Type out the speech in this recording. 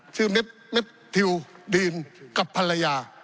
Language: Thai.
เม็ดทิวดีนกับภรรยา